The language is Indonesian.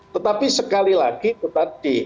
tetapi sekali lagi itu tadi